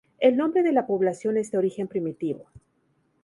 El nombre de la población es de origen primitivo.